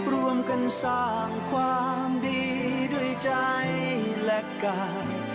รวมกันสร้างความดีด้วยใจและกัน